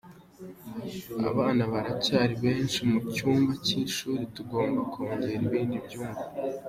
Abana baracyari benshi mu cyumba cy’ishuri tugomba kongera ibindi byumba.